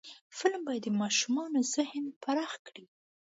فلم باید د ماشومانو ذهن پراخ کړي